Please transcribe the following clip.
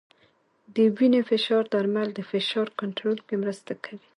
د وینې فشار درمل د فشار کنټرول کې مرسته کوي.